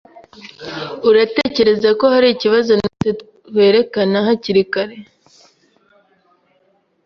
Uratekereza ko hari ikibazo natwe twerekana hakiri kare?